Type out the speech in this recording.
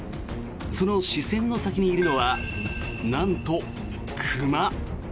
その視線の先にいるのはなんと熊。